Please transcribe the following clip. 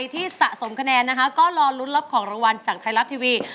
สะสมคะแนนนะคะก็รอลุ้นรับของรางวัลจากไทยรัฐทีวี